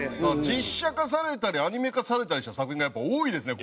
実写化されたりアニメ化されたりした作品がやっぱ多いですね